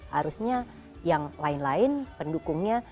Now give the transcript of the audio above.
harusnya yang lain lain pendukungnya